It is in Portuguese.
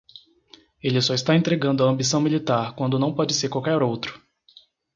Ele só está entregando a ambição militar quando não pode ser qualquer outro.